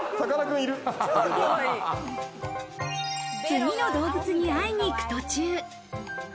次の動物に会いに行く途中。